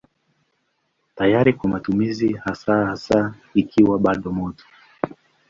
Tayari kwa matumizi hasa hasa ikiwa bado moto.